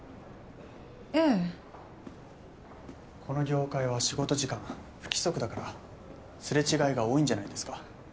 この業界は仕事時間不規則だからすれ違いが多いんじゃないですか？